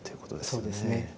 そうですね。